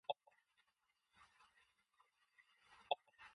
The critics may treat it pretty roughly.